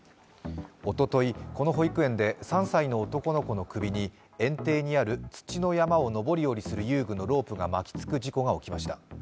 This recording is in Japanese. おととい、この保育園で３歳の男の子の首に園庭にある土の山を登り降りする遊具のロープが巻きつく事故が起きました。